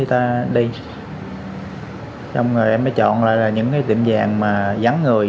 xong rồi em mới chọn lại những tiệm vàng vắng người